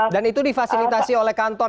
dan itu difasilitasi oleh kantor